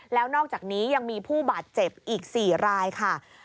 แล้วนอกจากนี้ยังมีผู้บาดเจ็บอีก๔รายค่ะ